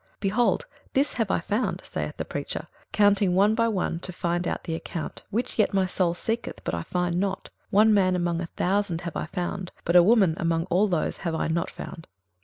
21:007:027 Behold, this have I found, saith the preacher, counting one by one, to find out the account: 21:007:028 Which yet my soul seeketh, but I find not: one man among a thousand have I found; but a woman among all those have I not found.